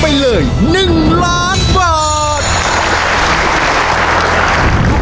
ภายในเวลา๓นาที